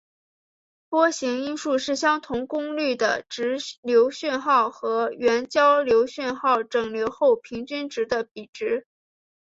波形因数是相同功率的直流讯号和原交流讯号整流后平均值的比值。